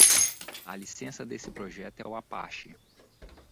A licença desse projeto é o Apache.